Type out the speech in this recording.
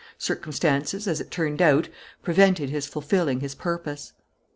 Circumstances, as it turned out, prevented his fulfilling his purpose."